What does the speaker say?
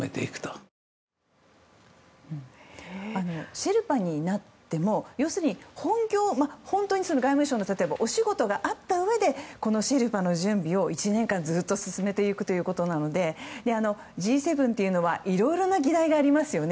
シェルパになっても要するに本業の外務省のお仕事があったうえでこのシェルパの準備を１年間ずっと進めていくということなのでＧ７というのはいろいろな議題がありますよね。